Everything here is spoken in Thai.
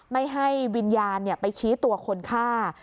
ไม่ให้วิญญาณไปชี้ตัวคนฆ่า